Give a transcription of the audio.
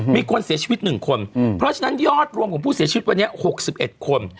มีคนเสียชีวิต๑คนเพราะฉะนั้นยอดรวมของผู้เสียชีวิตวันนี้๖๑คน